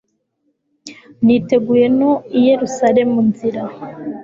niteguye no i yerusalemu nzira